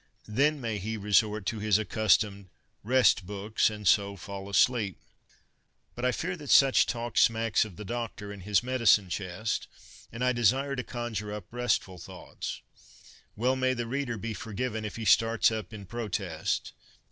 Then may he resort to his accustomed ' rest books,' and so fall asleep. But I fear that such talk ' smacks ' of the doctor and his medicine chest, and I desire to conjure up restful thoughts. Well may the reader be forgiven if he starts up in protest.